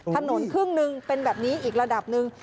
ถนนครึ่งหนึ่งเป็นแบบนี้อีกระดับหนึ่ง